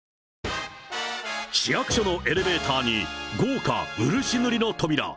市役所のエレベーターに豪華漆塗りの扉。